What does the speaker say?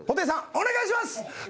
お願いします。